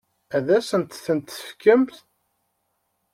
Ad asent-tent-tefkemt?